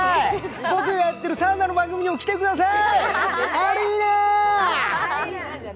僕やっているサウナの番組にも来てください。